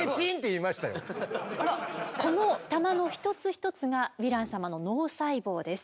この玉の一つ一つがヴィラン様の脳細胞です。